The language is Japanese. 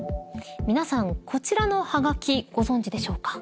皆さんこちらのはがきご存じでしょうか？